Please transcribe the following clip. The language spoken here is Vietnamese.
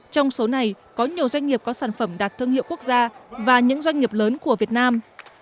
trong số này có nhiều doanh nghiệp có sản phẩm đạt thương hiệu quốc gia và những doanh nghiệp lớn của việt nam